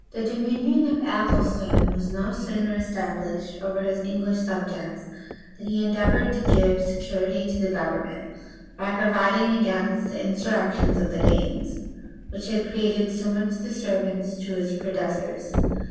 ] The dominion of Athelstan was no sooner established over his English subjects, than he endeavored to give security to the government, by providing against the insurrections of the Danes, which had created so much disturbance to his predecessors.